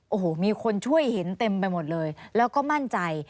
โอ้โหมีคนช่วยเห็นเต็มไปหมดเลยแล้วก็มั่นใจ